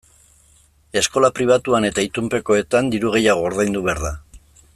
Eskola pribatuan eta itunpekoetan diru gehiago ordaindu behar da.